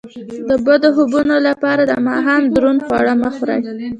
د بد خوبونو لپاره د ماښام دروند خواړه مه خورئ